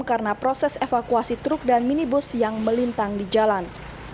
karena proses evakuasi truk dan minibus yang melintang di jalan